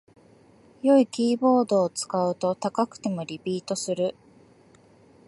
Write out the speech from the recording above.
良いキーボードを使うと高くてもリピートする